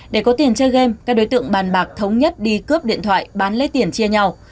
để có tiền chơi game các đối tượng bàn bạc thống nhất đi cướp điện thoại bán lấy tiền chia nhau